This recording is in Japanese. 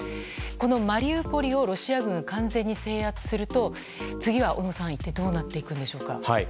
このマリウポリをロシア軍が完全に制圧すると次は小野さん、一体どうなっていくのでしょうか。